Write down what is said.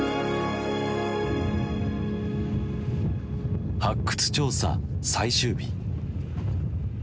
発掘調査最終日。